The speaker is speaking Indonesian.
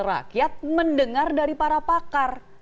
rakyat mendengar dari para pakar